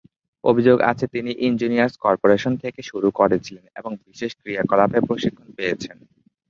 অভিযোগ আছে তিনি ইঞ্জিনিয়ার্স কর্পোরেশন থেকে শুরু করেছিলেন এবং বিশেষ ক্রিয়াকলাপে প্রশিক্ষণ পেয়েছেন।